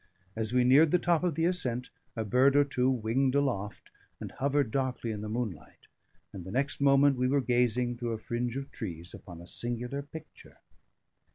As we neared the top of the ascent, a bird or two winged aloft and hovered darkly in the moonlight; and the next moment we were gazing through a fringe of trees upon a singular picture.